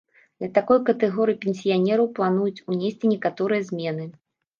Для такой катэгорыі пенсіянераў плануюць унесці некаторыя змены.